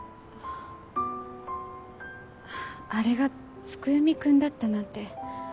あれが月読くんだったなんて。